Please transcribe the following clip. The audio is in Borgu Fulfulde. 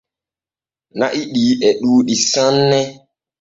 Na’i ɗi e ɗuuɗɗi sanne.